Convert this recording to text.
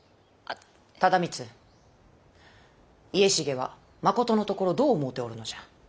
忠光家重はまことのところどう思うておるのじゃ？